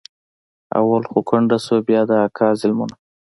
اول خو کونډه سوه بيا د اکا ظلمونه.